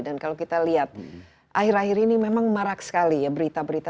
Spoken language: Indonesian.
kalau kita lihat akhir akhir ini memang marak sekali ya berita berita